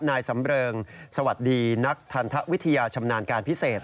นายสำเริงสวัสดีนักทันทวิทยาชำนาญการพิเศษ